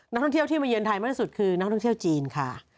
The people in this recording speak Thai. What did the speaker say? นักท่องเที่ยวที่มาเยือนไทยมากที่สุดคือนักท่องเที่ยวจีนค่ะ